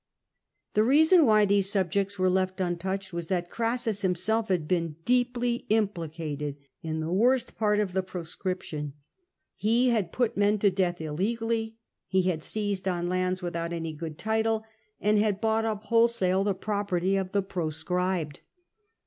The reason why these subjects were left untouched was that Orassus himself had been deeply implicated in the worst part of the Pro scription. He had put men to death illegally, had seized on lands without any good title, and had bought up whole sale the property of the proscribed.